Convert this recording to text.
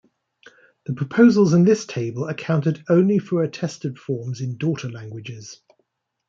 The proposals in this table account only for attested forms in daughter languages.